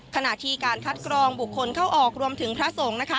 ขณะที่การคัดกรองบุคคลเข้าออกรวมถึงพระสงฆ์นะคะ